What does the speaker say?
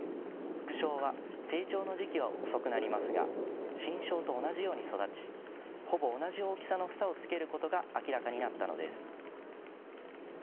副梢は成長の時期は遅くなりますが新梢と同じように育ちほぼ同じ大きさの房をつけることが明らかになったのです。